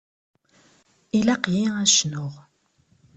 Ilaq-iyi ad cnuɣ.